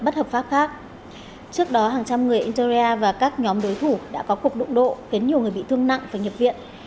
trước đó hàng trăm người algeria và các nhóm đối thủ đã có cuộc đụng độ khiến nhiều người bị thương nặng và nhập viện